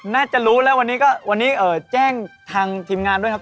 น่าจะรู้แล้ววันนี้แจ้งทางทีมงานด้วยครับ